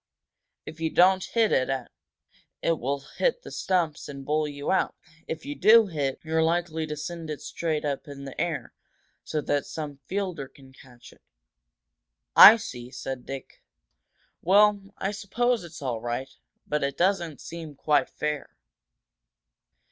If you don't hit at it, it will hit the stumps and bowl you out; if you do hit, you're likely to send it straight up in the air, so that some fielder can catch it." "I see," said Dick. "Well, I suppose it's all right, but it doesn't seem quite fair."